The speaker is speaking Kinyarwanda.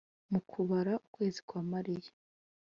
mu kubara ukwezi kwa mariya